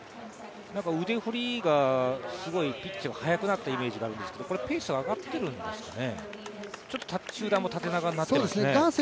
腕振りのピッチがすごく早くなったイメージがあるんですけれども、ペースが上がっているんですかね？